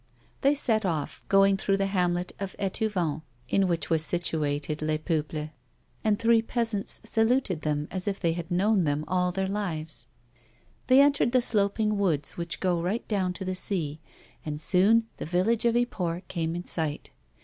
They set off, going through the hamlet of Etouvent in which was situated Les Peuples, and three peasants saluted them as if they had known them all their lives. They entered the sloping woods which go right down to the sea, and soon the village of Yport came in sight.